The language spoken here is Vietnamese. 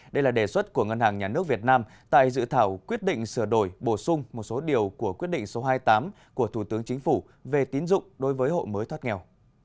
đây là đề xuất của ngân hàng nhà nước việt nam tại dự thảo quyết định sửa đổi bổ sung một số điều của quyết định số hai mươi tám của thủ tướng chính phủ về tín dụng đối với hộ mới thoát nghèo